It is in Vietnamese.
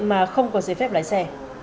mà không có giấy phép lái xe